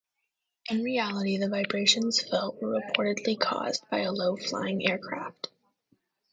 In reality the vibrations felt were reportedly caused by a low-flying aircraft.